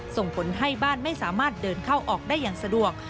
ส่งผลให้บ้านไม่สามารถเดินเข้าออกได้อย่างสะดวก